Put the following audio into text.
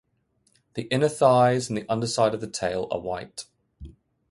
The inner thighs and the underside of the tail are white.